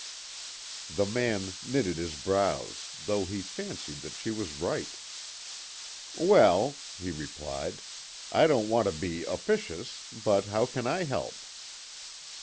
The man knitted his brows, though he fancied that she was right. "Well," he replied, "I don't want to be officious but how can I help?"